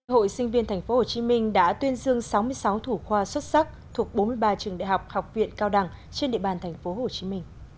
hội sinh viên tp hcm đã tuyên dương sáu mươi sáu thủ khoa xuất sắc thuộc bốn mươi ba trường đại học học viện cao đẳng trên địa bàn tp hcm